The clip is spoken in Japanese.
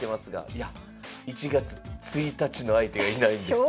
「いや１月１日の相手がいないんです」。